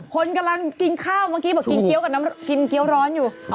คนกำลังกินข้าวเมื่อกี้บอกกินเกี๊ยวร้อนอยู่